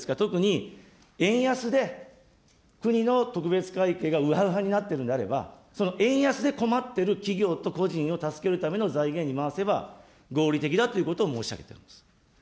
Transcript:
特に円安で、国の特別会計がうはうはになっているのであれば、その円安で困ってる企業と個人を助けるための財源に回せば、合理的だということを申し上げています。